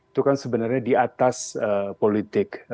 itu kan sebenarnya di atas politik